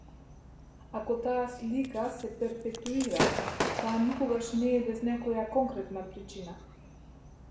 Ако таа слика се перпетуира, таа никогаш не е без некоја конкретна причина.